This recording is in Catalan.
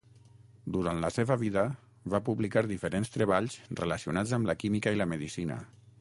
Durant la seva vida va publicar diferents treballs relacionats amb la química i la medicina.